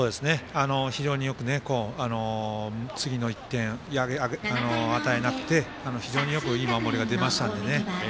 非常によく次の１点、与えなくて非常によくいい守りが出ましたのでね。